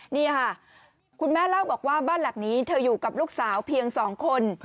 นี่ค่ะคุณแม่เล่าบอกว่าบ้านหลังนี้เธออยู่กับลูกสาวเพียง๒คน